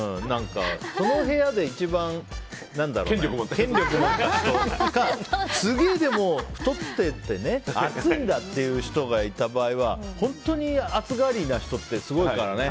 その部屋で一番権力を持った人とかすごい太ってて暑いんだっていう人がいた場合は本当に暑がりな人ってすごいからね。